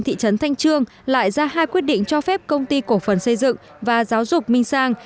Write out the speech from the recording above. thị trấn thanh trương lại ra hai quyết định cho phép công ty cổ phần xây dựng và giáo dục minh sang